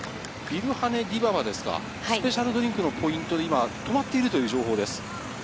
情報ですけど、エチオピアのビルハネ・ディババですか、スペシャルドリンクのポイントで止まっているという情報です。